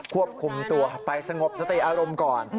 ควบคุมตัวไปสงบสติอารมณ์ก่อน